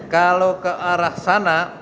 kalau ke arah sana